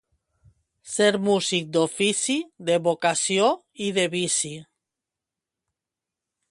Ser músic d'ofici, de vocació i de vici.